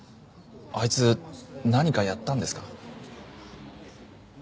あいつ何かやったんですか？